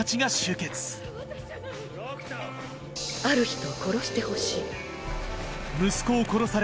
ある人を殺してほしい。